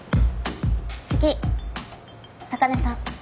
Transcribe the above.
次坂根さん。